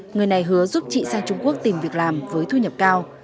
người này hứa giúp chị sang trung quốc tìm việc làm với thu nhập cao